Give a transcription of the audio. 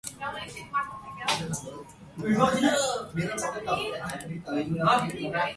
In the United States, many anthropologists used Caucasian as a general term for "white".